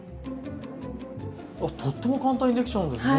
とっても簡単にできちゃうんですね！